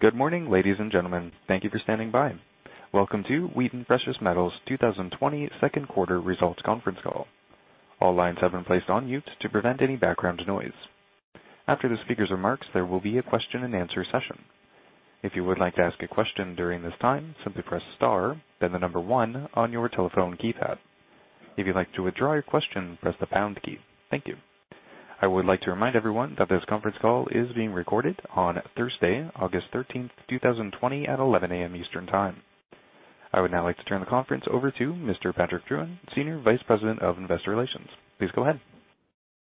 Good morning, ladies and gentlemen. Thank you for standing by. Welcome to Wheaton Precious Metals' 2020 second quarter results conference call. All lines have been placed on mute to prevent any background noise. After the speaker's remarks, there will be a Q&A session. If you would like to ask a question during this time, simply press star, then the number one on your telephone keypad. If you'd like to withdraw your question, press the pound key. Thank you. I would like to remind everyone that this conference call is being recorded on Thursday, August 13th, 2020, at 11:00 A.M. Eastern Time. I would now like to turn the conference over to Mr. Patrick Drouin, Senior Vice President of Investor Relations. Please go ahead.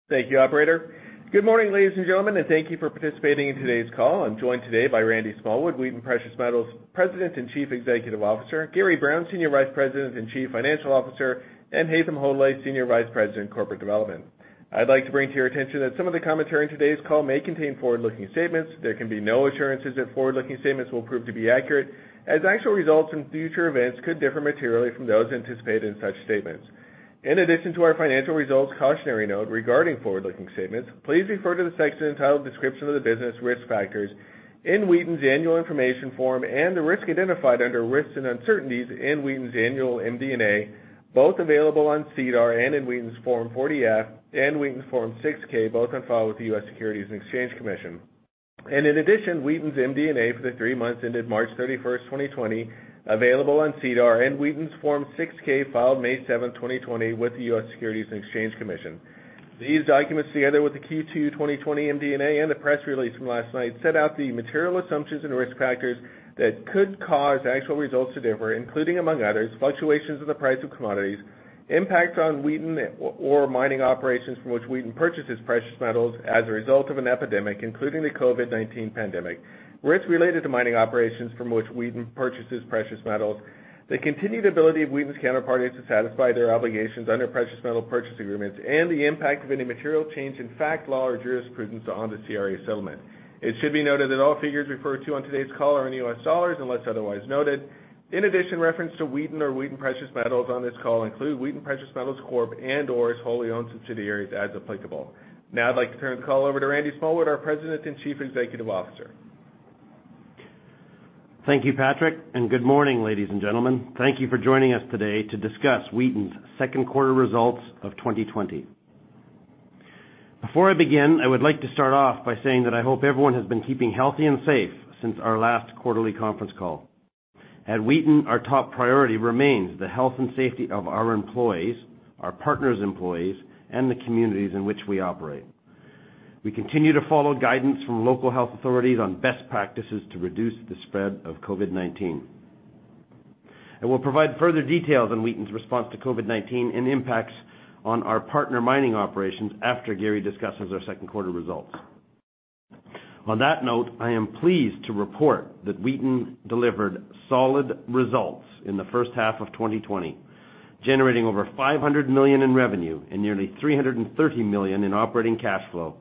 Thank you, operator. Good morning, ladies and gentlemen, and thank you for participating in today's call. I'm joined today by Randy Smallwood, Wheaton Precious Metals President and Chief Executive Officer, Gary Brown, Senior Vice President and Chief Financial Officer, and Haytham Hodaly, Senior Vice President, Corporate Development. I'd like to bring to your attention that some of the commentary in today's call may contain forward-looking statements. There can be no assurances that forward-looking statements will prove to be accurate, as actual results and future events could differ materially from those anticipated in such statements. In addition to our financial results cautionary note regarding forward-looking statements, please refer to the section entitled Description of the Business Risk Factors in Wheaton's annual information form and the risk identified under Risks and Uncertainties in Wheaton's annual MD&A, both available on SEDAR and in Wheaton's Form 40-F and Wheaton's Form 6-K, both on file with the U.S. Securities and Exchange Commission. In addition, Wheaton's MD&A for the three months ended March 31st, 2020, available on SEDAR, and Wheaton's Form 6-K, filed May 7th, 2020 with the U.S. Securities and Exchange Commission. These documents, together with the Q2 2020 MD&A and the press release from last night, set out the material assumptions and risk factors that could cause actual results to differ, including, among others, fluctuations in the price of commodities, impact on Wheaton, or mining operations from which Wheaton purchases precious metals as a result of an epidemic, including the COVID-19 pandemic, risks related to mining operations from which Wheaton purchases precious metals, the continued ability of Wheaton's counterparties to satisfy their obligations under precious metal purchase agreements, and the impact of any material change in fact, law, or jurisprudence on the CRA settlement. It should be noted that all figures referred to on today's call are in U.S. dollars, unless otherwise noted. In addition, reference to Wheaton or Wheaton Precious Metals on this call include Wheaton Precious Metals Corp. and/or its wholly owned subsidiaries, as applicable. I'd like to turn the call over to Randy Smallwood, our President and Chief Executive Officer. Thank you, Patrick. Good morning, ladies and gentlemen. Thank you for joining us today to discuss Wheaton's second quarter results of 2020. Before I begin, I would like to start off by saying that I hope everyone has been keeping healthy and safe since our last quarterly conference call. At Wheaton, our top priority remains the health and safety of our employees, our partners' employees, and the communities in which we operate. We continue to follow guidance from local health authorities on best practices to reduce the spread of COVID-19. I will provide further details on Wheaton's response to COVID-19 and the impacts on our partner mining operations after Gary discusses our second quarter results. On that note, I am pleased to report that Wheaton delivered solid results in the first half of 2020, generating over $500 million in revenue and nearly $330 million in operating cash flow.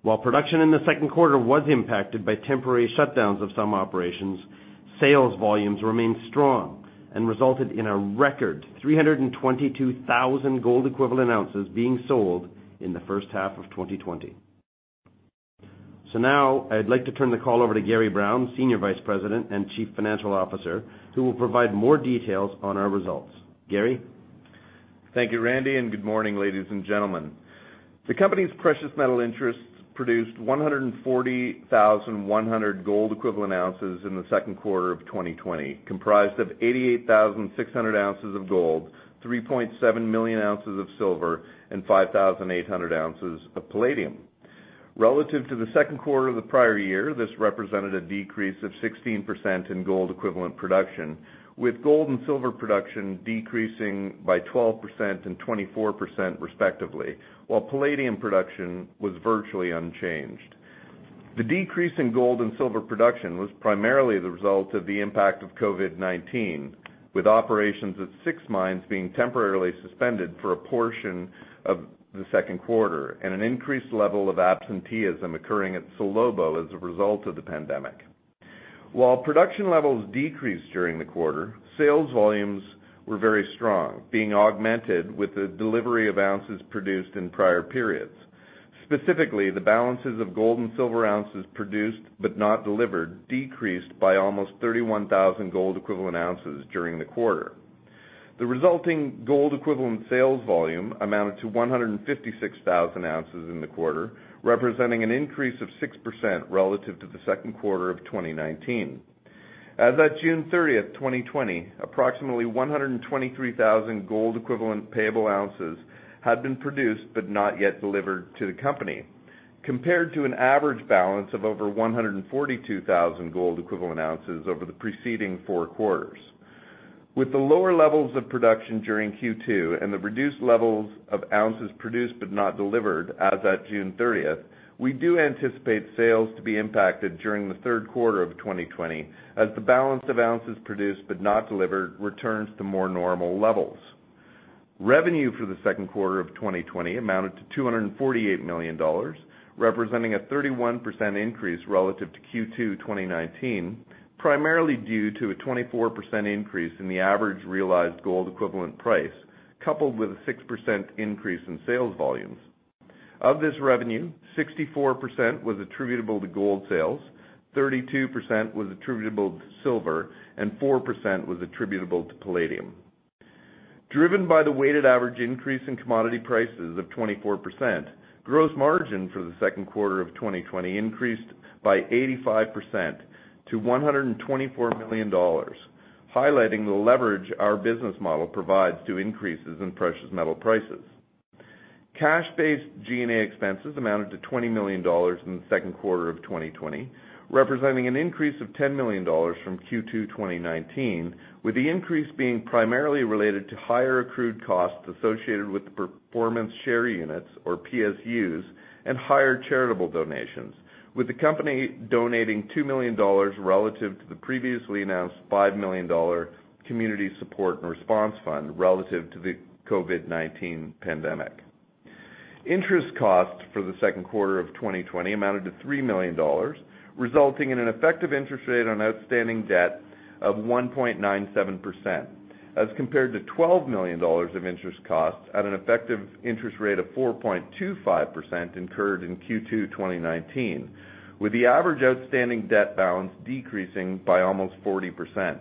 While production in the second quarter was impacted by temporary shutdowns of some operations, sales volumes remained strong and resulted in a record 322,000 gold equivalent ounces being sold in the first half of 2020. Now I'd like to turn the call over to Gary Brown, Senior Vice President and Chief Financial Officer, who will provide more details on our results. Gary? Thank you, Randy, and good morning, ladies and gentlemen. The company's precious metal interests produced 140,100 gold equivalent ounces in the second quarter of 2020, comprised of 88,600 ounces of gold, 3.7 million ounces of silver, and 5,800 ounces of palladium. Relative to the second quarter of the prior year, this represented a decrease of 16% in gold equivalent production, with gold and silver production decreasing by 12% and 24% respectively, while palladium production was virtually unchanged. The decrease in gold and silver production was primarily the result of the impact of COVID-19, with operations at six mines being temporarily suspended for a portion of the second quarter and an increased level of absenteeism occurring at Salobo as a result of the pandemic. While production levels decreased during the quarter, sales volumes were very strong, being augmented with the delivery of ounces produced in prior periods. Specifically, the balances of gold and silver ounces produced but not delivered decreased by almost 31,000 gold equivalent ounces during the quarter. The resulting gold equivalent sales volume amounted to 156,000 ounces in the quarter, representing an increase of 6% relative to the second quarter of 2019. As at June 30th, 2020, approximately 123,000 gold equivalent payable ounces had been produced but not yet delivered to the company, compared to an average balance of over 142,000 gold equivalent ounces over the preceding four quarters. With the lower levels of production during Q2 and the reduced levels of ounces produced but not delivered as at June 30th, we do anticipate sales to be impacted during the third quarter of 2020 as the balance of ounces produced but not delivered returns to more normal levels. Revenue for the second quarter of 2020 amounted to $248 million, representing a 31% increase relative to Q2 2019, primarily due to a 24% increase in the average realized gold equivalent price, coupled with a 6% increase in sales volume. Of this revenue, 64% was attributable to gold sales, 32% was attributable to silver, and 4% was attributable to palladium. Driven by the weighted average increase in commodity prices of 24%, gross margin for the second quarter of 2020 increased by 85% to $124 million, highlighting the leverage our business model provides to increases in precious metal prices. Cash-based G&A expenses amounted to $20 million in the second quarter of 2020, representing an increase of $10 million from Q2 2019, with the increase being primarily related to higher accrued costs associated with the performance share units, or PSUs, and higher charitable donations, with the company donating $2 million relative to the previously announced $5 million Community Support and Response Fund relative to the COVID-19 pandemic. Interest costs for the second quarter of 2020 amounted to $3 million, resulting in an effective interest rate on outstanding debt of 1.97%, as compared to $12 million of interest costs at an effective interest rate of 4.25% incurred in Q2 2019, with the average outstanding debt balance decreasing by almost 40%.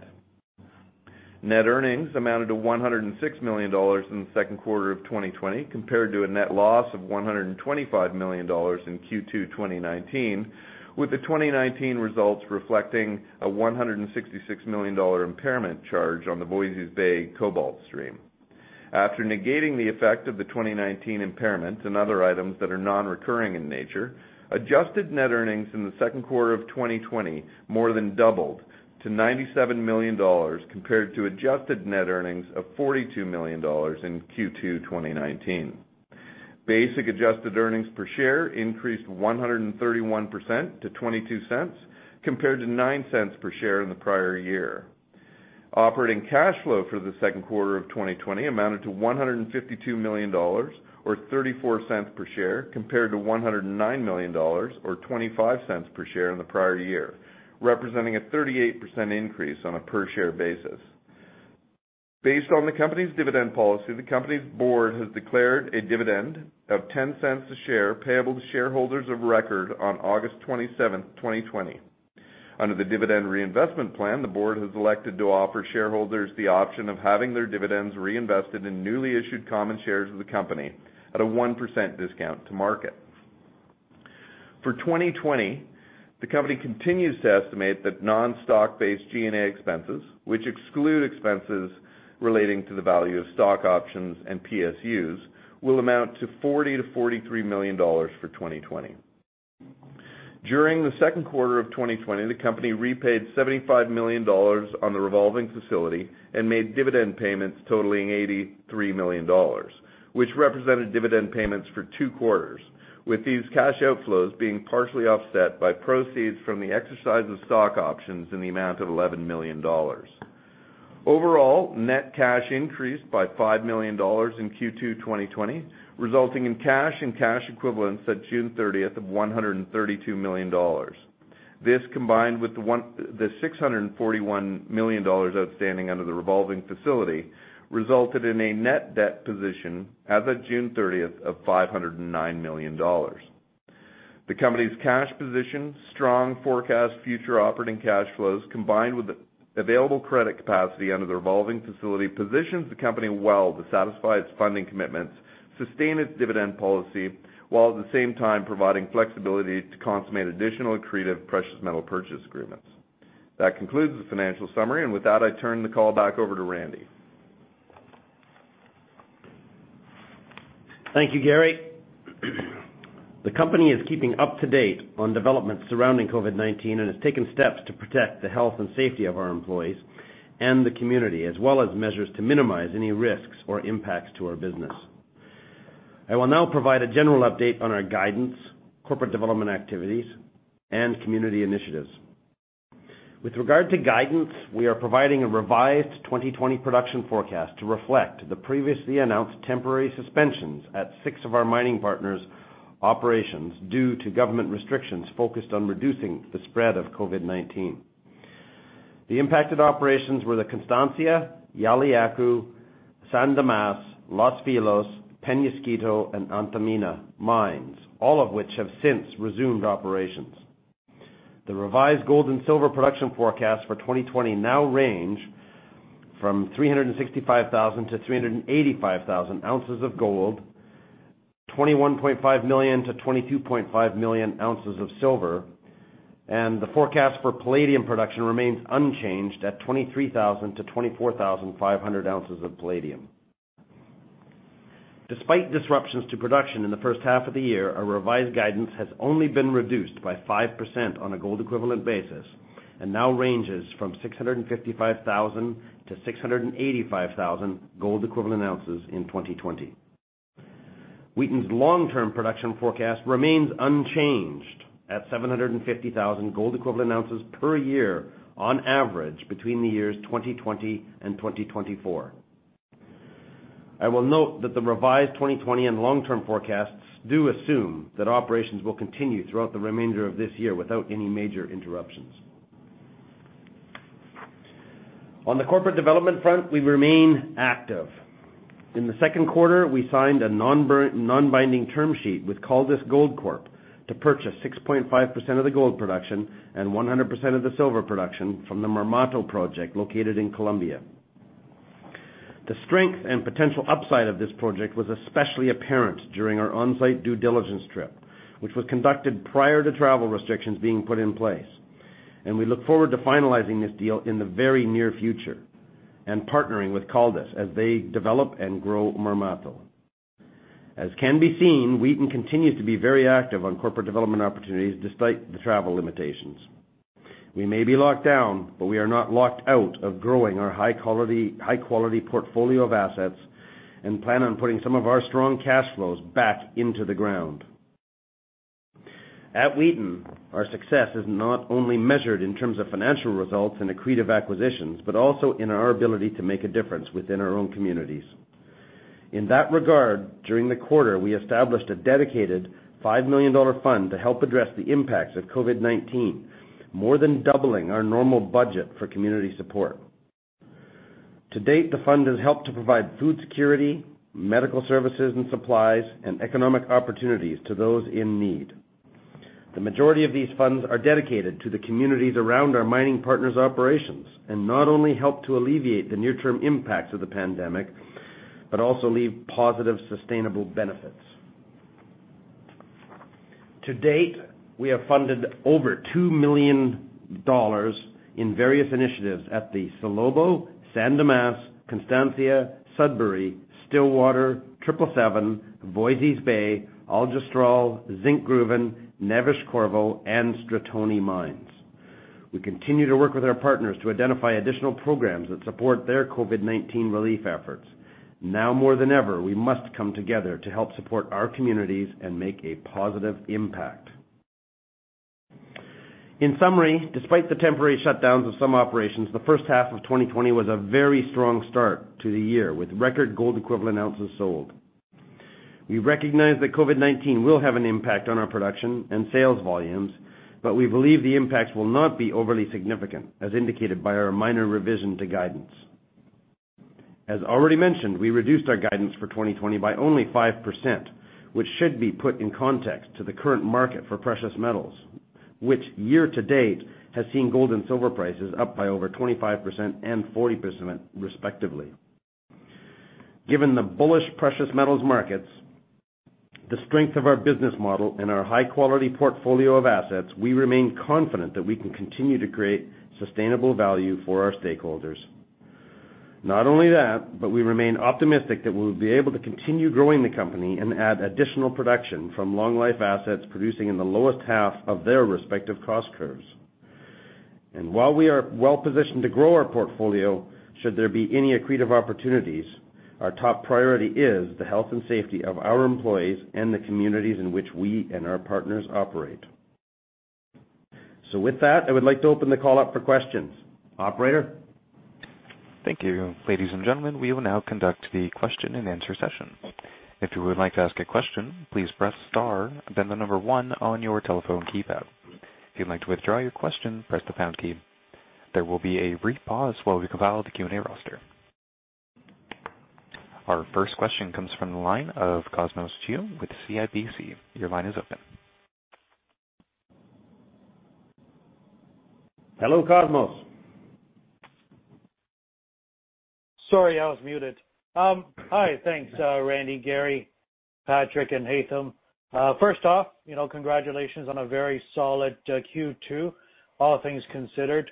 Net earnings amounted to $106 million in the second quarter of 2020, compared to a net loss of $125 million in Q2 2019, with the 2019 results reflecting a $166 million impairment charge on the Voisey's Bay Cobalt stream. After negating the effect of the 2019 impairment and other items that are non-recurring in nature, adjusted net earnings in the second quarter of 2020 more than doubled to $97 million, compared to adjusted net earnings of $42 million in Q2 2019. Basic adjusted earnings per share increased 131% to $0.22, compared to $0.09 per share in the prior year. Operating cash flow for the second quarter of 2020 amounted to $152 million, or $0.34 per share, compared to $109 million or $0.25 per share in the prior year, representing a 38% increase on a per share basis. Based on the company's dividend policy, the company's board has declared a dividend of $0.10 a share payable to shareholders of record on August 27th, 2020. Under the dividend reinvestment plan, the board has elected to offer shareholders the option of having their dividends reinvested in newly issued common shares of the company at a 1% discount to market. For 2020, the company continues to estimate that non-stock-based G&A expenses, which exclude expenses relating to the value of stock options and PSUs, will amount to $40 million-$43 million for 2020. During the second quarter of 2020, the company repaid $75 million on the revolving facility and made dividend payments totaling $83 million, which represented dividend payments for two quarters, with these cash outflows being partially offset by proceeds from the exercise of stock options in the amount of $11 million. Overall, net cash increased by $5 million in Q2 2020, resulting in cash and cash equivalents at June 30th of $132 million. This, combined with the $641 million outstanding under the revolving facility, resulted in a net debt position as of June 30th of $509 million. The company's cash position, strong forecast, future operating cash flows, combined with available credit capacity under the revolving facility, positions the company well to satisfy its funding commitments, sustain its dividend policy, while at the same time providing flexibility to consummate additional accretive precious metal purchase agreements. That concludes the financial summary, and with that, I turn the call back over to Randy. Thank you, Gary. The company is keeping up to date on developments surrounding COVID-19 and has taken steps to protect the health and safety of our employees and the community, as well as measures to minimize any risks or impacts to our business. I will now provide a general update on our guidance, corporate development activities, and community initiatives. With regard to guidance, we are providing a revised 2020 production forecast to reflect the previously announced temporary suspensions at six of our mining partners' operations due to government restrictions focused on reducing the spread of COVID-19. The impacted operations were the Constancia, Yauliyacu, San Dimas, Los Filos, Peñasquito, and Antamina mines, all of which have since resumed operations. The revised gold and silver production forecast for 2020 now range from 365,000 ounces-385,000 ounces of gold, 21.5 million ounces-22.5 million ounces of silver, and the forecast for palladium production remains unchanged at 23,000 ounces-24,500 ounces of palladium. Despite disruptions to production in the first half of the year, our revised guidance has only been reduced by 5% on a gold equivalent basis and now ranges from 655,000 ounces-685,000 gold equivalent ounces in 2020. Wheaton's long-term production forecast remains unchanged at 750,000 gold equivalent ounces per year on average between the years 2020 and 2024. I will note that the revised 2020 and long-term forecasts do assume that operations will continue throughout the remainder of this year without any major interruptions. On the corporate development front, we remain active. In the second quarter, we signed a non-binding term sheet with Caldas Gold Corp to purchase 6.5% of the gold production and 100% of the silver production from the Marmato project located in Colombia. The strength and potential upside of this project was especially apparent during our on-site due diligence trip, which was conducted prior to travel restrictions being put in place, and we look forward to finalizing this deal in the very near future and partnering with Caldas as they develop and grow Marmato. As can be seen, Wheaton continues to be very active on corporate development opportunities despite the travel limitations. We may be locked down, but we are not locked out of growing our high-quality portfolio of assets and plan on putting some of our strong cash flows back into the ground. At Wheaton, our success is not only measured in terms of financial results and accretive acquisitions, but also in our ability to make a difference within our own communities. In that regard, during the quarter, we established a dedicated $5 million fund to help address the impacts of COVID-19, more than doubling our normal budget for community support. To date, the fund has helped to provide food security, medical services and supplies, and economic opportunities to those in need. The majority of these funds are dedicated to the communities around our mining partners' operations and not only help to alleviate the near-term impacts of the pandemic, but also leave positive, sustainable benefits. To date, we have funded over $2 million in various initiatives at the Salobo, San Dimas, Constancia, Sudbury, Stillwater, 777, Voisey's Bay, Aljustrel, Zinkgruvan, Neves-Corvo and Stratoni mines. We continue to work with our partners to identify additional programs that support their COVID-19 relief efforts. Now more than ever, we must come together to help support our communities and make a positive impact. In summary, despite the temporary shutdowns of some operations, the first half of 2020 was a very strong start to the year, with record gold equivalent ounces sold. We recognize that COVID-19 will have an impact on our production and sales volumes, but we believe the impacts will not be overly significant, as indicated by our minor revision to guidance. As already mentioned, we reduced our guidance for 2020 by only 5%, which should be put in context to the current market for precious metals, which year to date has seen gold and silver prices up by over 25% and 40% respectively. Given the bullish precious metals markets, the strength of our business model and our high-quality portfolio of assets, we remain confident that we can continue to create sustainable value for our stakeholders. Not only that, we remain optimistic that we'll be able to continue growing the company and add additional production from long-life assets producing in the lowest half of their respective cost curves. While we are well-positioned to grow our portfolio, should there be any accretive opportunities, our top priority is the health and safety of our employees and the communities in which we and our partners operate. With that, I would like to open the call up for questions. Operator? Thank you. Ladies and gentlemen, we will now conduct the Q&A session. If you would like to ask a question, please press star then the number 1 on your telephone keypad. If you'd like to withdraw your question, press the pound key. There will be a brief pause while we compile the Q&A roster. Our first question comes from the line of Cosmos Chiu with CIBC. Your line is open. Hello, Cosmos. Sorry, I was muted. Hi. Thanks, Randy, Gary, Patrick and Haytham. First off, congratulations on a very solid Q2, all things considered,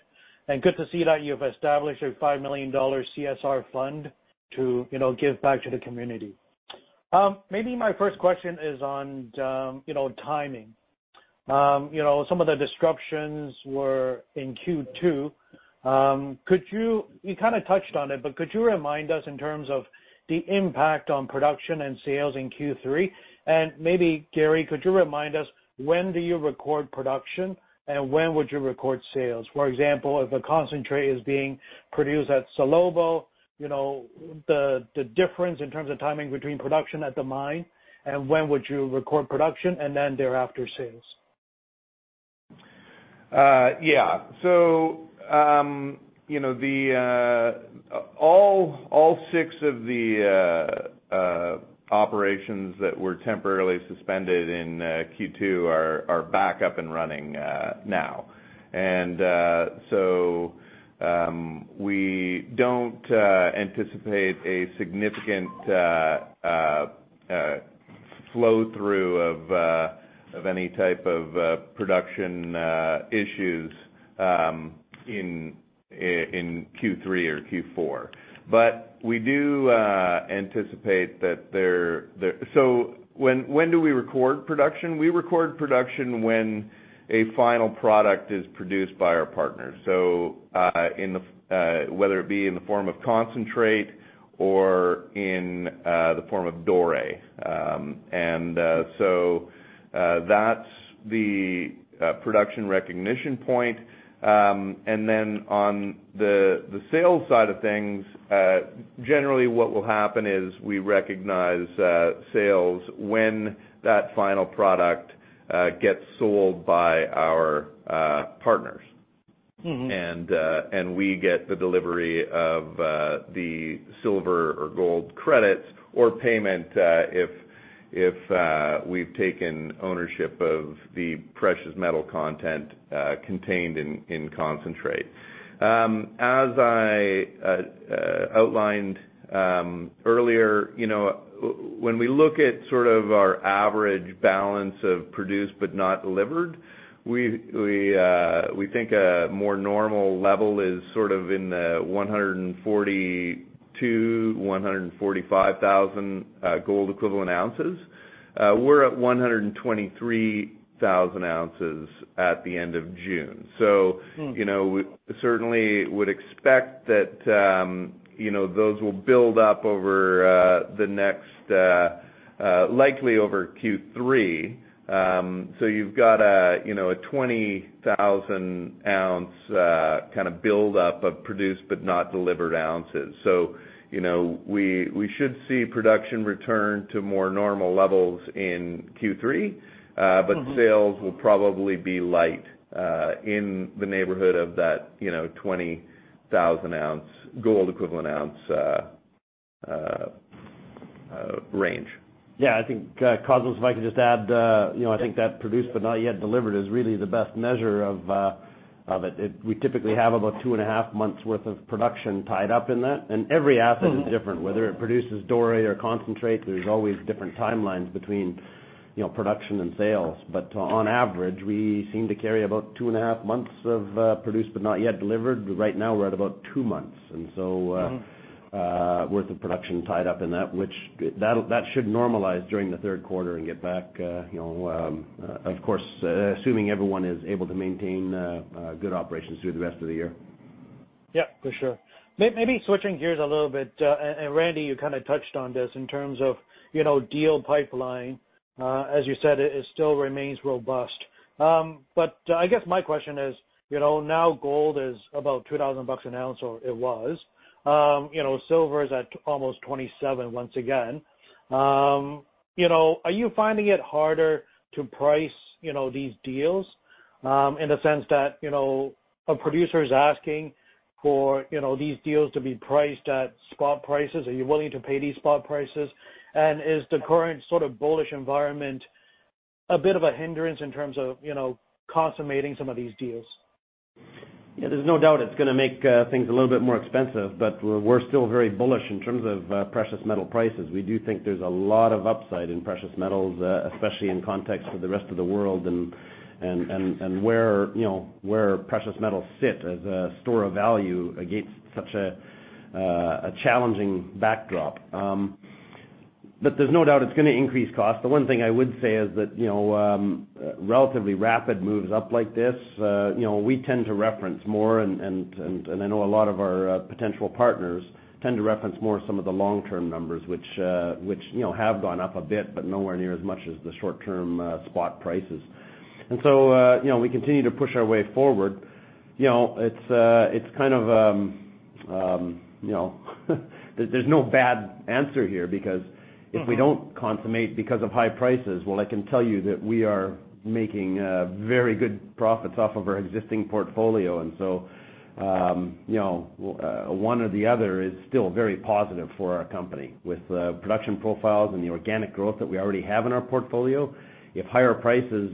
and good to see that you have established a $5 million CSR Fund to give back to the community. Maybe my first question is on timing. Some of the disruptions were in Q2. You kind of touched on it, but could you remind us in terms of the impact on production and sales in Q3, and maybe Gary, could you remind us when do you record production and when would you record sales? For example, if a concentrate is being produced at Salobo, the difference in terms of timing between production at the mine and when would you record production and then thereafter sales? Yeah. All six of the operations that were temporarily suspended in Q2 are back up and running now. We don't anticipate a significant flow-through of any type of production issues in Q3 or Q4. We do anticipate. When do we record production? We record production when a final product is produced by our partners. Whether it be in the form of concentrate or in the form of doré. That's the production recognition point. On the sales side of things, generally what will happen is we recognize sales when that final product gets sold by our partners. We get the delivery of the silver or gold credits or payment if we've taken ownership of the precious metal content contained in concentrate. As I outlined earlier, when we look at our average balance of produced but not delivered, we think a more normal level is in the 142,000-145,000 gold equivalent ounces. We're at 123,000 ounces at the end of June. We certainly would expect that those will build up likely over Q3. You've got a 20,000-ounce buildup of produced but not delivered ounces. We should see production return to more normal levels in Q3, but sales will probably be light in the neighborhood of that 20,000 gold equivalent ounce range. I think, Cosmos, if I could just add, I think that produced but not yet delivered is really the best measure of it. We typically have about two and a half months worth of production tied up in that. Every asset is different, whether it produces doré or concentrate, there's always different timelines between production and sales. On average, we seem to carry about two and a half months of produced but not yet delivered. Right now, we're at about two months worth of production tied up in that, which that should normalize during the third quarter and get back, of course, assuming everyone is able to maintain good operations through the rest of the year. Yeah, for sure. Maybe switching gears a little bit, and Randy, you kind of touched on this in terms of deal pipeline. As you said, it still remains robust. I guess my question is, now gold is about $2,000 an ounce, or it was. Silver is at almost $27 once again. Are you finding it harder to price these deals in the sense that a producer is asking for these deals to be priced at spot prices? Are you willing to pay these spot prices? Is the current sort of bullish environment a bit of a hindrance in terms of consummating some of these deals? Yeah, there's no doubt it's going to make things a little bit more expensive, but we're still very bullish in terms of precious metal prices. We do think there's a lot of upside in precious metals, especially in context of the rest of the world and where precious metals sit as a store of value against such a challenging backdrop. There's no doubt it's going to increase cost. The one thing I would say is that relatively rapid moves up like this, we tend to reference more, and I know a lot of our potential partners tend to reference more some of the long-term numbers, which have gone up a bit, but nowhere near as much as the short-term spot prices. We continue to push our way forward. There's no bad answer here because if we don't consummate because of high prices, well, I can tell you that we are making very good profits off of our existing portfolio. One or the other is still very positive for our company with the production profiles and the organic growth that we already have in our portfolio. If higher prices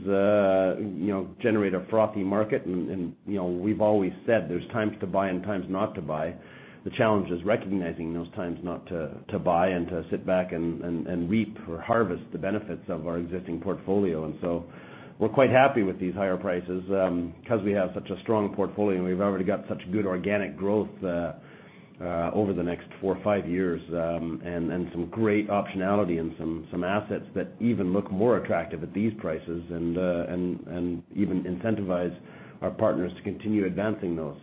generate a frothy market and we've always said there's times to buy and times not to buy. The challenge is recognizing those times not to buy and to sit back and reap or harvest the benefits of our existing portfolio. We're quite happy with these higher prices because we have such a strong portfolio, and we've already got such good organic growth over the next four or five years and some great optionality and some assets that even look more attractive at these prices and even incentivize our partners to continue advancing those.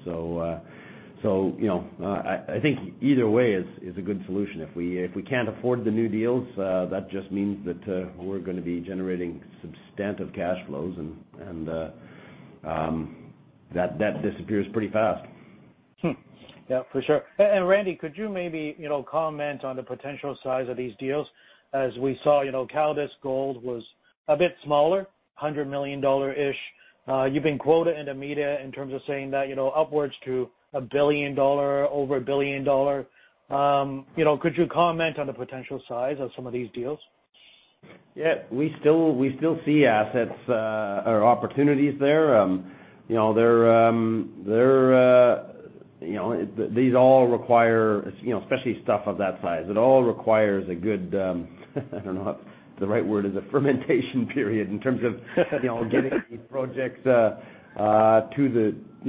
I think either way is a good solution. If we can't afford the new deals, that just means that we're going to be generating substantive cash flows, and that disappears pretty fast. Yeah, for sure. Randy, could you maybe comment on the potential size of these deals? As we saw, Caldas Gold was a bit smaller, $100 million-ish. You've been quoted in the media in terms of saying that upwards to over a billion dollar. Could you comment on the potential size of some of these deals? Yeah, we still see assets or opportunities there. These all require, especially stuff of that size, it all requires a good I don't know if the right word is a fermentation period in terms of getting these projects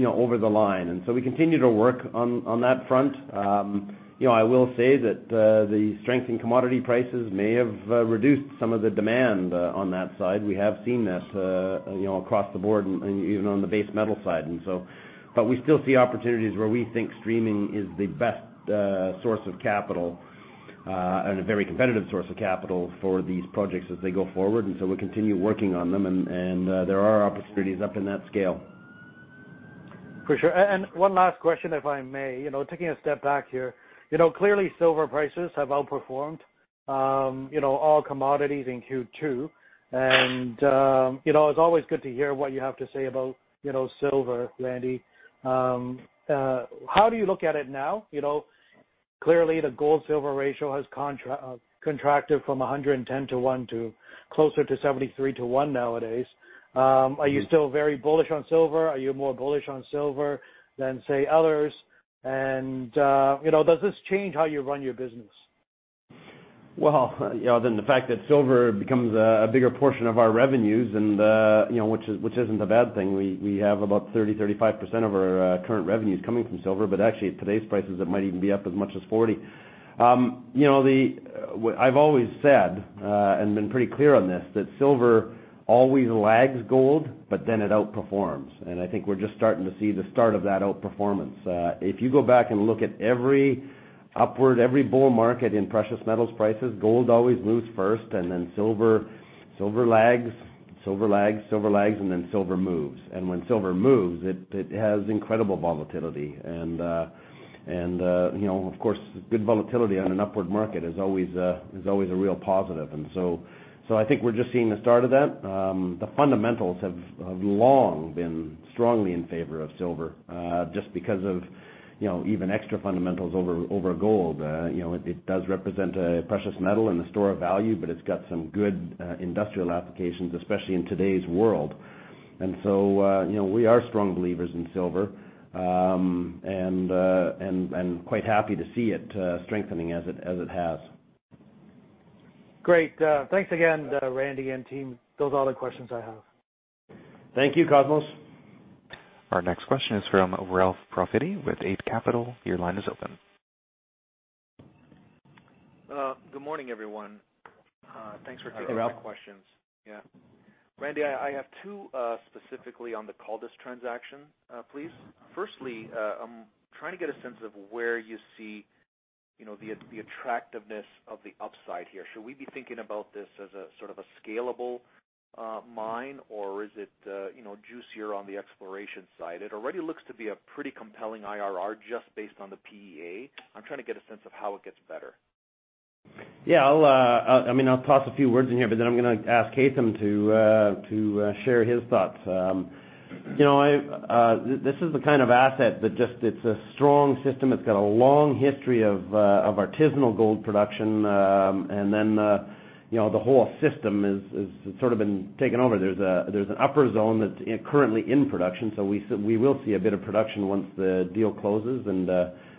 over the line. We continue to work on that front. I will say that the strength in commodity prices may have reduced some of the demand on that side. We have seen this across the board and even on the base metal side. We still see opportunities where we think streaming is the best source of capital and a very competitive source of capital for these projects as they go forward. We'll continue working on them, and there are opportunities up in that scale. For sure. One last question, if I may, taking a step back here. Clearly, silver prices have outperformed all commodities in Q2. It's always good to hear what you have to say about silver, Randy. How do you look at it now? Clearly, the gold-silver ratio has contracted from 110:1 to closer to 73 :1 nowadays. Are you still very bullish on silver? Are you more bullish on silver than, say, others? Does this change how you run your business? Other than the fact that silver becomes a bigger portion of our revenues, which isn't a bad thing. We have about 30%, 35% of our current revenues coming from silver, but actually at today's prices, it might even be up as much as 40%. I've always said, and been pretty clear on this, that silver always lags gold, but then it outperforms. I think we're just starting to see the start of that outperformance. If you go back and look at every upward, every bull market in precious metals prices, gold always moves first, and then silver lags, silver lags, silver lags, and then silver moves. When silver moves, it has incredible volatility. Of course, good volatility on an upward market is always a real positive. I think we're just seeing the start of that. The fundamentals have long been strongly in favor of silver, just because of even extra fundamentals over gold. It does represent a precious metal and a store of value, but it's got some good industrial applications, especially in today's world. We are strong believers in silver and quite happy to see it strengthening as it has. Great. Thanks again Randy and team. Those are all the questions I have. Thank you, Cosmos. Our next question is from Ralph Profiti with Eight Capital. Your line is open. Good morning, everyone. Thanks for taking my questions. Hey, Ralph. Yeah. Randy, I have two specifically on the Caldas transaction, please. Firstly, I'm trying to get a sense of where you see the attractiveness of the upside here. Should we be thinking about this as a sort of a scalable mine, or is it juicier on the exploration side? It already looks to be a pretty compelling IRR just based on the PEA. I'm trying to get a sense of how it gets better. Yeah. I'll toss a few words in here, then I'm going to ask Haytham to share his thoughts. This is the kind of asset that just, it's a strong system. It's got a long history of artisanal gold production, then the whole system is sort of been taken over. There's an upper zone that's currently in production, we will see a bit of production once the deal closes.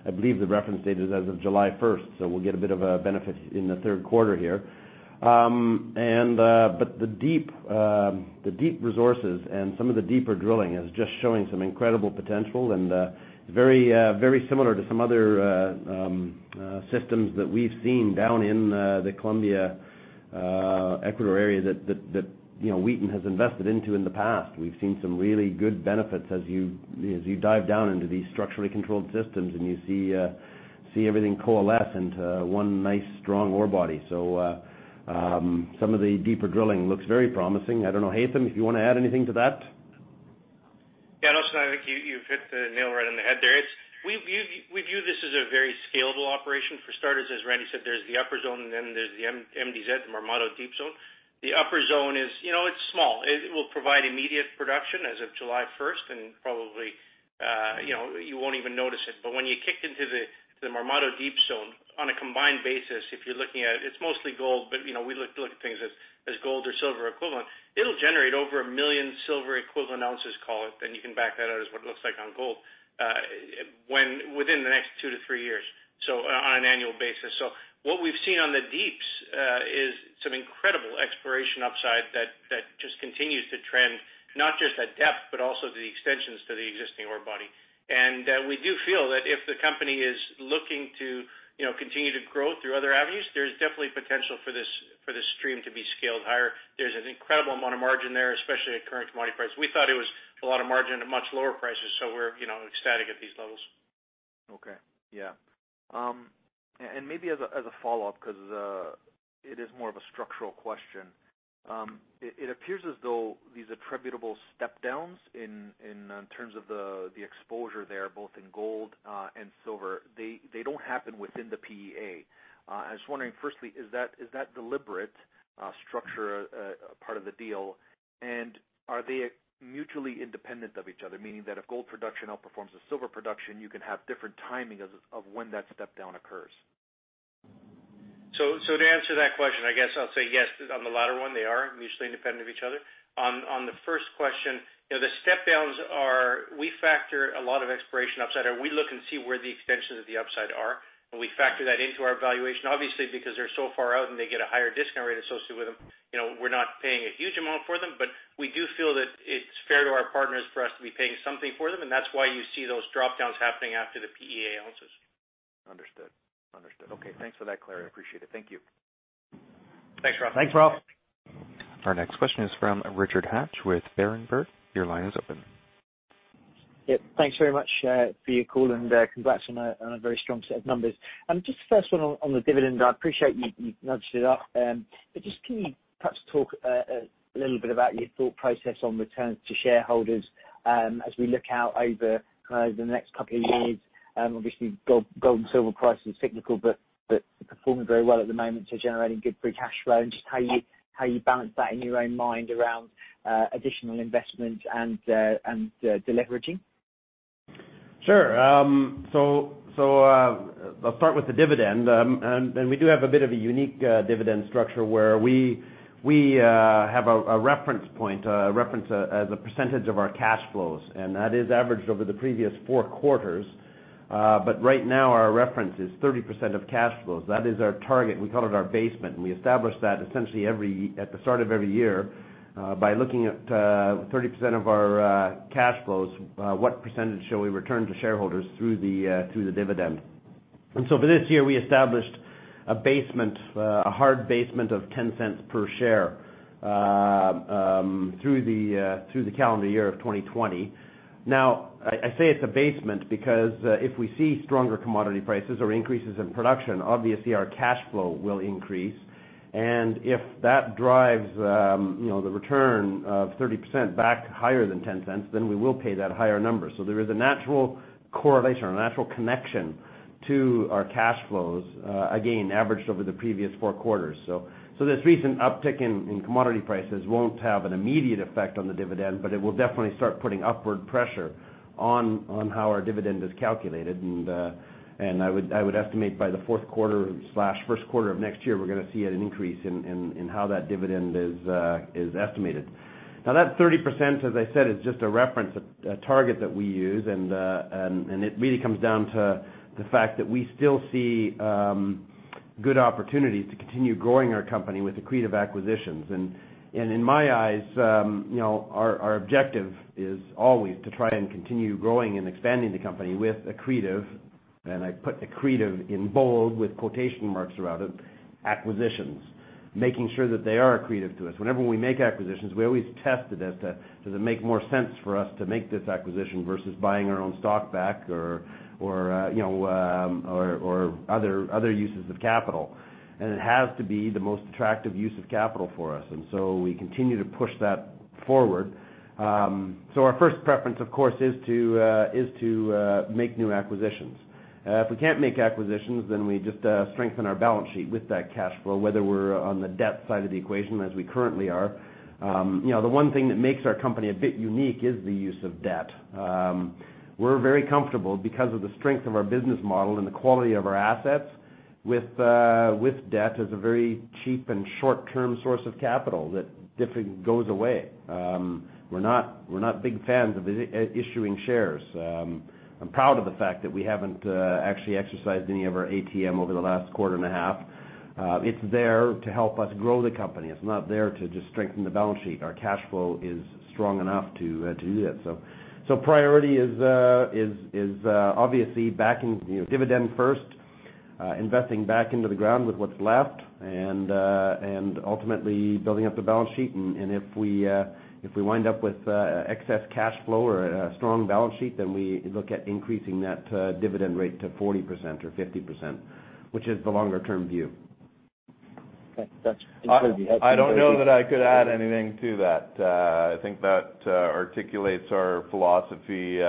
I believe the reference date is as of July 1st, we'll get a bit of a benefit in the third quarter here. The deep resources and some of the deeper drilling is just showing some incredible potential and very similar to some other systems that we've seen down in the Colombia, Ecuador area that Wheaton has invested into in the past. We've seen some really good benefits as you dive down into these structurally controlled systems, and you see everything coalesce into one nice, strong ore body. Some of the deeper drilling looks very promising. I don't know, Haytham, if you want to add anything to that? Yeah, no. I think you've hit the nail right on the head there. We view this as a very scalable operation. For starters, as Randy said, there's the upper zone, and then there's the MDZ, the Marmato Deep Zone. The upper zone is small. It will provide immediate production as of July 1st, and probably you won't even notice it. When you kick into the Marmato Deep Zone, on a combined basis, if you're looking at it's mostly gold, but we look at things as gold or silver equivalent. It'll generate over 1 million silver equivalent ounces call it, then you can back that out as what it looks like on gold within the next two-three years, so on an annual basis. What we've seen on the deeps is some incredible exploration upside that just continues to trend, not just at depth, but also the extensions to the existing ore body. We do feel that if the company is looking to continue to grow through other avenues, there's definitely potential for this stream to be scaled higher. There's an incredible amount of margin there, especially at current commodity prices. We thought it was a lot of margin at much lower prices, so we're ecstatic at these levels. Okay. Yeah. Maybe as a follow-up, because it is more of a structural question. It appears as though these attributable step downs in terms of the exposure there, both in gold and silver, they don't happen within the PEA. I was wondering, firstly, is that deliberate structure a part of the deal, and are they mutually independent of each other? Meaning that if gold production outperforms the silver production, you can have different timing of when that step down occurs. To answer that question, I guess I'll say yes on the latter one. They are mutually independent of each other. On the first question, we factor a lot of exploration upside, and we look and see where the extensions of the upside are, and we factor that into our valuation. Because they're so far out and they get a higher discount rate associated with them, we're not paying a huge amount for them, but we do feel that it's fair to our partners for us to be paying something for them, and that's why you see those drop downs happening after the PEA ounces. Understood. Okay. Thanks for that clarity. I appreciate it. Thank you. Thanks, Ralph. Thanks, Ralph. Our next question is from Richard Hatch with Berenberg. Your line is open. Yeah. Thanks very much for your call, and congrats on a very strong set of numbers. Just the first one on the dividend, I appreciate you nudged it up. Just can you perhaps talk a little bit about your thought process on returns to shareholders as we look out over the next couple of years? Obviously, gold and silver prices are cyclical but performing very well at the moment, so generating good free cash flow. Just how you balance that in your own mind around additional investment and de-leveraging. I'll start with the dividend. We do have a bit of a unique dividend structure where we have a reference point, a reference as a percentage of our cash flows, and that is averaged over the previous four quarters. Right now, our reference is 30% of cash flows. That is our target. We call it our basement, and we establish that essentially at the start of every year, by looking at 30% of our cash flows, what percentage shall we return to shareholders through the dividend. For this year, we established a hard basement of $0.10 per share through the calendar year of 2020. I say it's a basement because if we see stronger commodity prices or increases in production, obviously, our cash flow will increase. If that drives the return of 30% back higher than $0.10, we will pay that higher number. There is a natural correlation or a natural connection to our cash flows, again, averaged over the previous four quarters. This recent uptick in commodity prices won't have an immediate effect on the dividend, it will definitely start putting upward pressure on how our dividend is calculated. I would estimate by the fourth quarter/first quarter of next year, we're going to see an increase in how that dividend is estimated. Now, that 30%, as I said, is just a reference, a target that we use. It really comes down to the fact that we still see good opportunities to continue growing our company with accretive acquisitions. In my eyes, our objective is always to try and continue growing and expanding the company with accretive, and I put accretive in bold with quotation marks around it, acquisitions. Making sure that they are accretive to us. Whenever we make acquisitions, we always test it as to does it make more sense for us to make this acquisition versus buying our own stock back or other uses of capital. It has to be the most attractive use of capital for us. We continue to push that forward. Our first preference, of course, is to make new acquisitions. If we can't make acquisitions, then we just strengthen our balance sheet with that cash flow, whether we're on the debt side of the equation as we currently are. The one thing that makes our company a bit unique is the use of debt. We're very comfortable because of the strength of our business model and the quality of our assets with debt as a very cheap and short-term source of capital that goes away. We're not big fans of issuing shares. I'm proud of the fact that we haven't actually exercised any of our ATM over the last quarter and a half. It's there to help us grow the company. It's not there to just strengthen the balance sheet. Our cash flow is strong enough to do that. Priority is obviously dividend first, investing back into the ground with what's left, and ultimately building up the balance sheet. If we wind up with excess cash flow or a strong balance sheet, then we look at increasing that dividend rate to 40% or 50%, which is the longer-term view. Okay. That's incredibly helpful. Thank you. I don't know that I could add anything to that. I think that articulates our philosophy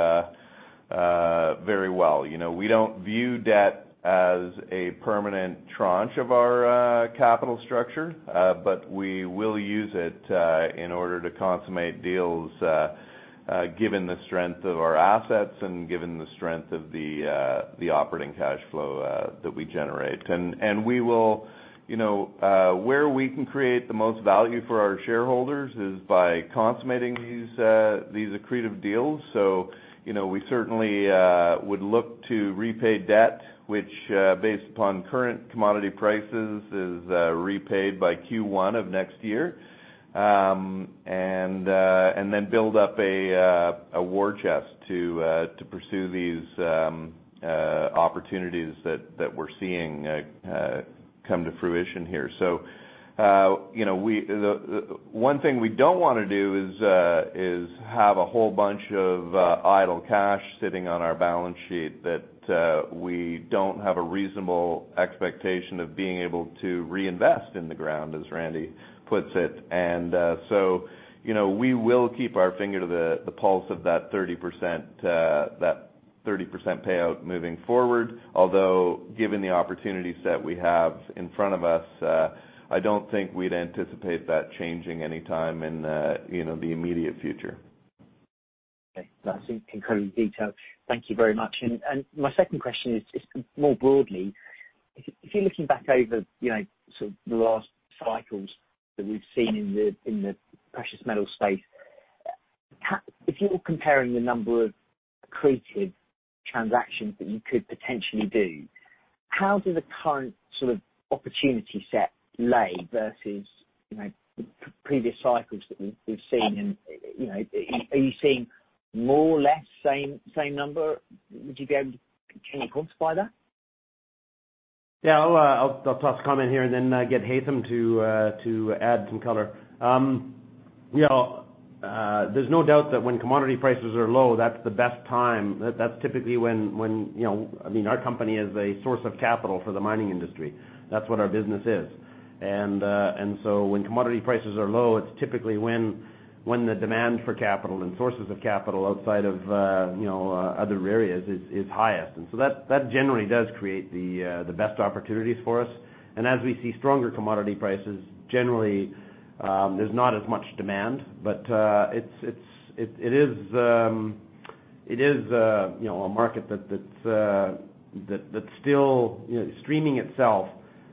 very well. We don't view debt as a permanent tranche of our capital structure. We will use it in order to consummate deals given the strength of our assets and given the strength of the operating cash flow that we generate. Where we can create the most value for our shareholders is by consummating these accretive deals. We certainly would look to repay debt, which based upon current commodity prices, is repaid by Q1 of next year. Then build up a war chest to pursue these opportunities that we're seeing come to fruition here. One thing we don't want to do is have a whole bunch of idle cash sitting on our balance sheet that we don't have a reasonable expectation of being able to reinvest in the ground, as Randy puts it. We will keep our finger to the pulse of that 30% payout moving forward, although given the opportunities that we have in front of us, I don't think we'd anticipate that changing anytime in the immediate future. Okay. That's incredibly detailed. Thank you very much. My second question is just more broadly, if you're looking back over sort of the last cycles that we've seen in the precious metal space, if you're comparing the number of accretive transactions that you could potentially do, how does the current sort of opportunity set lay versus previous cycles that we've seen? Are you seeing more or less same number? Can you quantify that? Yeah. I'll toss a comment here and then get Haytham to add some color. There's no doubt that when commodity prices are low, that's the best time. Our company is a source of capital for the mining industry. That's what our business is. When commodity prices are low, it's typically when the demand for capital and sources of capital outside of other areas is highest. That generally does create the best opportunities for us. As we see stronger commodity prices, generally, there's not as much demand. It is a market that's still streaming itself.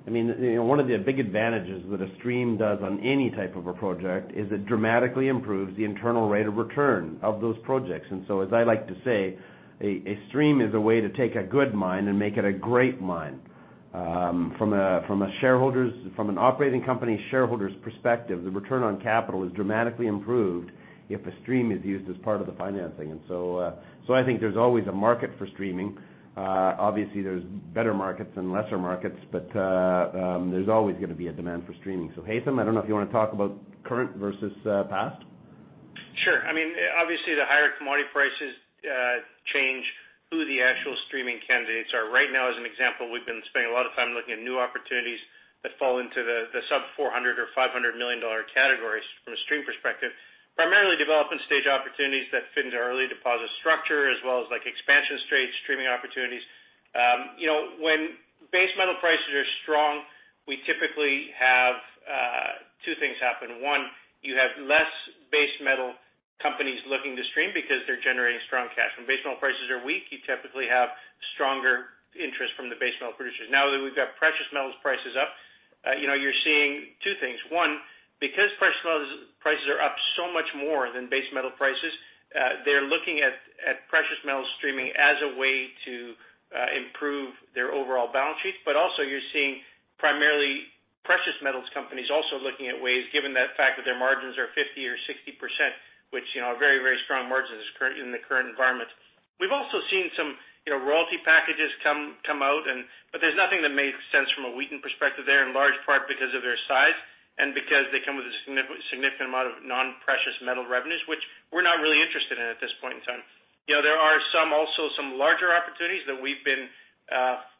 One of the big advantages that a stream does on any type of a project is it dramatically improves the internal rate of return of those projects. As I like to say, a stream is a way to take a good mine and make it a great mine. From an operating company shareholder's perspective, the return on capital is dramatically improved if a stream is used as part of the financing. I think there's always a market for streaming. Obviously, there's better markets and lesser markets, but there's always going to be a demand for streaming. Haytham, I don't know if you want to talk about current versus past? Sure. Obviously, the higher commodity prices change who the actual streaming candidates are. Right now, as an example, we've been spending a lot of time looking at new opportunities that fall into the sub $400 million or $500 million categories from a stream perspective, primarily development stage opportunities that fit into our early deposit structure, as well as expansion stage streaming opportunities. When base metal prices are strong, we typically have two things happen. One, you have less base metal companies looking to stream because they're generating strong cash. When base metal prices are weak, you typically have stronger interest from the base metal producers. Now that we've got precious metals prices up, you're seeing two things. One, because precious metals prices are up so much more than base metal prices, they're looking at precious metal streaming as a way to improve their overall balance sheets. Also you're seeing primarily precious metals companies also looking at ways, given the fact that their margins are 50% or 60%, which are very strong margins in the current environment. We've also seen some royalty packages come out, but there's nothing that made sense from a Wheaton perspective there, in large part because of their size and because they come with a significant amount of non-precious metal revenues, which we're not really interested in at this point in time. There are also some larger opportunities that we've been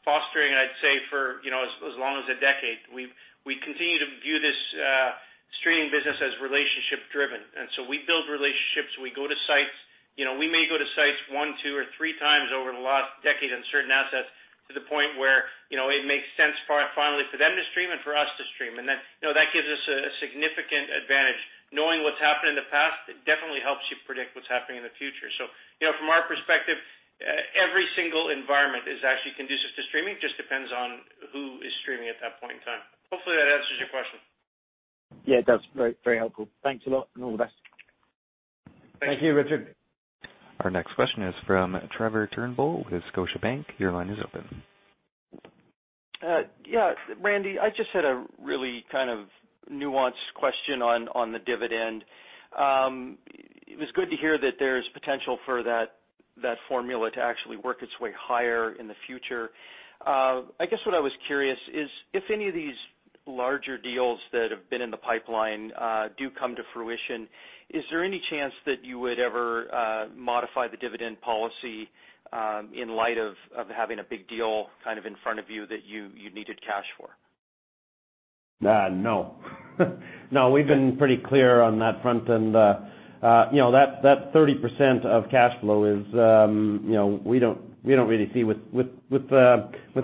fostering, I'd say, for as long as a decade. We continue to view this streaming business as relationship driven. We build relationships. We go to sites. We may go to sites one, two, or three times over the last decade on certain assets, to the point where it makes sense finally for them to stream and for us to stream. That gives us a significant advantage. Knowing what's happened in the past, it definitely helps you predict what's happening in the future. From our perspective, every single environment is actually conducive to streaming. It just depends on who is streaming at that point in time. Hopefully, that answers your question. Yeah, it does. Very helpful. Thanks a lot. All the best. Thank you, Richard. Our next question is from Trevor Turnbull with Scotiabank. Your line is open. Yeah. Randy, I just had a really kind of nuanced question on the dividend. It was good to hear that there's potential for that formula to actually work its way higher in the future. I guess what I was curious is, if any of these larger deals that have been in the pipeline do come to fruition, is there any chance that you would ever modify the dividend policy in light of having a big deal in front of you that you needed cash for? No. No, we've been pretty clear on that front end. That 30% of cash flow is, with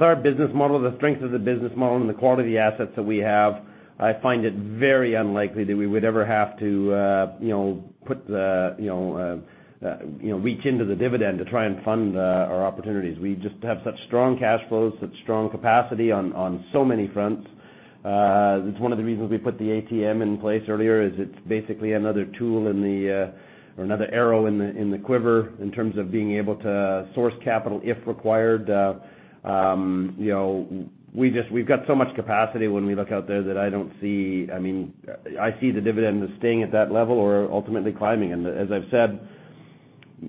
our business model, the strength of the business model, and the quality assets that we have, I find it very unlikely that we would ever have to reach into the dividend to try and fund our opportunities. We just have such strong cash flows, such strong capacity on so many fronts. It's one of the reasons we put the ATM in place earlier, is it's basically another tool or another arrow in the quiver in terms of being able to source capital if required. We've got so much capacity when we look out there that I see the dividend as staying at that level or ultimately climbing. As I've said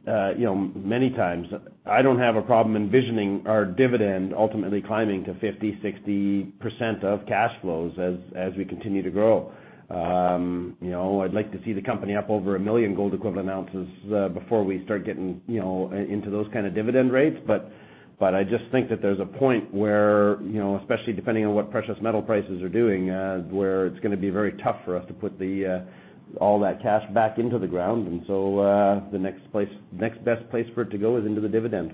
many times, I don't have a problem envisioning our dividend ultimately climbing to 50%, 60% of cash flows as we continue to grow. I'd like to see the company up over 1 million gold equivalent ounces, before we start getting into those kind of dividend rates. I just think that there's a point where, especially depending on what precious metal prices are doing, where it's going to be very tough for us to put all that cash back into the ground. The next best place for it to go is into the dividend.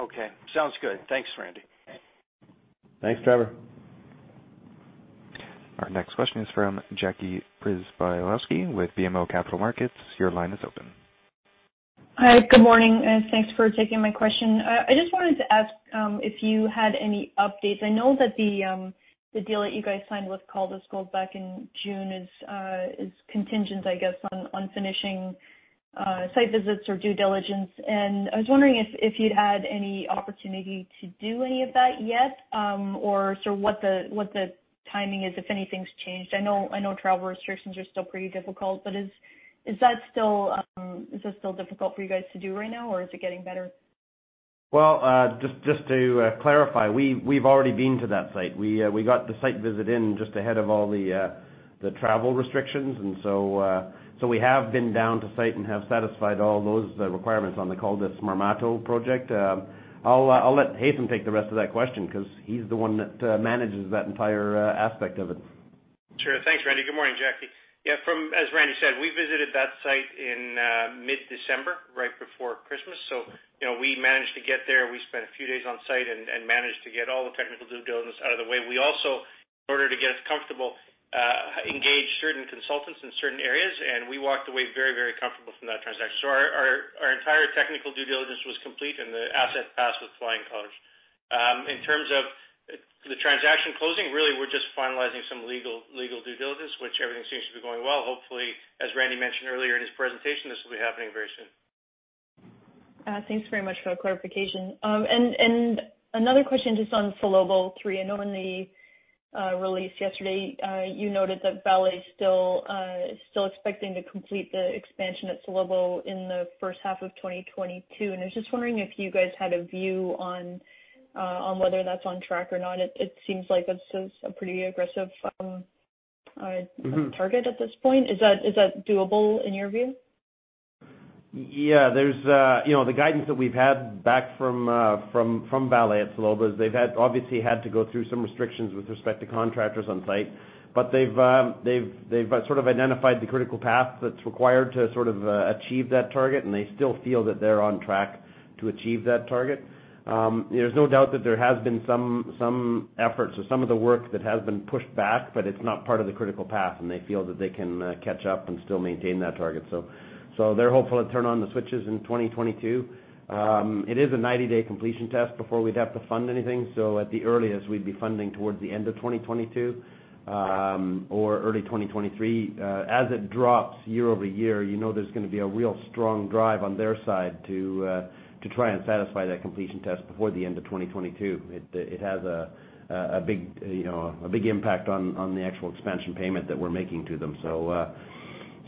Okay. Sounds good. Thanks, Randy. Thanks, Trevor. Our next question is from Tanya Jakusconek with BMO Capital Markets. Your line is open. Hi. Good morning, and thanks for taking my question. I just wanted to ask if you had any updates. I know that the deal that you guys signed with Caldas Gold back in June is contingent, I guess, on finishing site visits or due diligence. I was wondering if you'd had any opportunity to do any of that yet, or sort of what the timing is, if anything's changed. I know travel restrictions are still pretty difficult, but is that still difficult for you guys to do right now, or is it getting better? Well, just to clarify, we've already been to that site. We got the site visit in just ahead of all the travel restrictions. We have been down to site and have satisfied all those requirements on the Caldas Marmato project. I'll let Haytham take the rest of that question because he's the one that manages that entire aspect of it. Sure. Thanks, Randy. Good morning, Jaku. As Randy said, we visited that site in mid-December, right before Christmas, so we managed to get there. We spent a few days on site and managed to get all the technical due diligence out of the way. We also, in order to get us comfortable, engaged certain consultants in certain areas, and we walked away very comfortable from that transaction. Our entire technical due diligence was complete, and the asset passed with flying colors. In terms of the transaction closing, really, we're just finalizing some legal due diligence, which everything seems to be going well. Hopefully, as Randy mentioned earlier in his presentation, this will be happening very soon. Thanks very much for that clarification. Another question just on Salobo III. I know in the release yesterday, you noted that Vale is still expecting to complete the expansion at Salobo in the first half of 2022. I was just wondering if you guys had a view on whether that's on track or not. It seems like that's a pretty aggressive target at this point. Is that doable in your view? Yeah. The guidance that we've had back from Vale at Salobo is they've obviously had to go through some restrictions with respect to contractors on site. They've sort of identified the critical path that's required to sort of achieve that target, and they still feel that they're on track to achieve that target. There's no doubt that there have been some efforts or some of the work that has been pushed back, but it's not part of the critical path, and they feel that they can catch up and still maintain that target. They're hopeful to turn on the switches in 2022. It is a 90-day completion test before we'd have to fund anything, so at the earliest, we'd be funding towards the end of 2022 or early 2023. As it drops year-over-year, you know there's going to be a real strong drive on their side to try and satisfy that completion test before the end of 2022. It has a big impact on the actual expansion payment that we're making to them.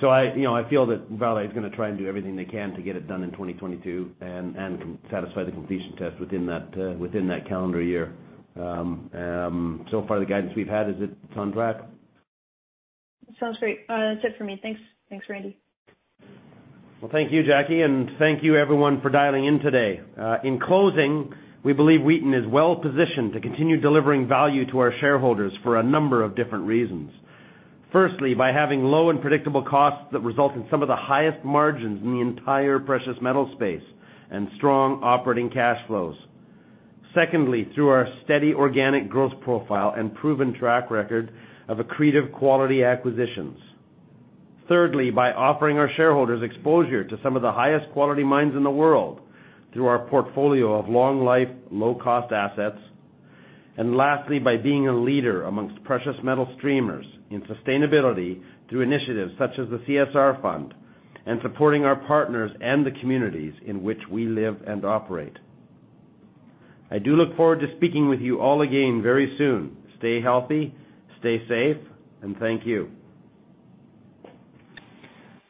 I feel that Vale is going to try and do everything they can to get it done in 2022 and satisfy the completion test within that calendar year. So far the guidance we've had is it's on track. Sounds great. That's it for me. Thanks. Thanks, Randy. Well, thank you, Tanya, and thank you everyone for dialing in today. In closing, we believe Wheaton is well positioned to continue delivering value to our shareholders for a number of different reasons. Firstly, by having low and predictable costs that result in some of the highest margins in the entire precious metal space, and strong operating cash flows. Secondly, through our steady organic growth profile and proven track record of accretive quality acquisitions. Thirdly, by offering our shareholders exposure to some of the highest quality mines in the world through our portfolio of long life, low-cost assets. Lastly, by being a leader amongst precious metal streamers in sustainability through initiatives such as the CSR Fund and supporting our partners and the communities in which we live and operate. I do look forward to speaking with you all again very soon. Stay healthy, stay safe, and thank you.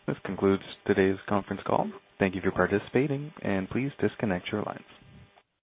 This concludes today's conference call. Thank you for participating and please disconnect your lines.